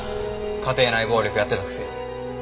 家庭内暴力やってたくせに。